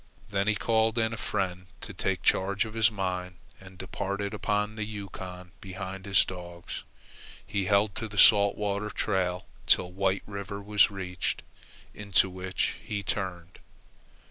Then he called in a friend to take charge of his mine and departed up the Yukon behind his dogs. He held to the Salt Water trail till White River was reached, into which he turned.